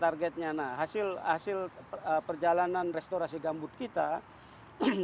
targetnya nah hasil hasil perjalanan restorasi gambut kita ini